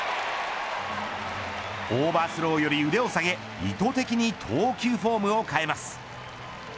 オーバースローより腕を下げ意図的に投球フォームを変えます。